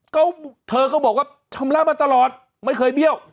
ก็เธอก็บอกว่าชำระมาตลอดไม่เคยเบี้ยว